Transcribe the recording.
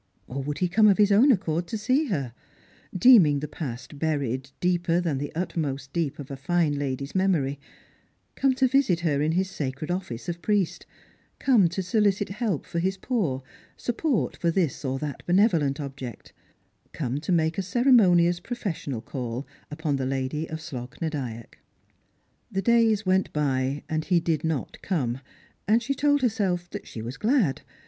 Or would he come of his own accord to see her ? deeming the past burieci deeper than the uttermost deep of a fine lady's memory ; com* to visit her in his sacred ofiice of priest ; come to solicit help for his poor, support for this or that benevolent object ; come to make a ceremonious professional call upon the lady of Slogh na Dyack. The days went by and he did not come, and she told herself that she was glad.